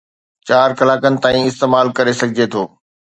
چار ڪلاڪن تائين استعمال ڪري سگھجي ٿو